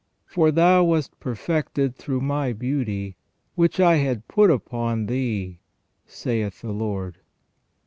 For thou was perfected through My beauty, which I had put upon thee, saith the Lord."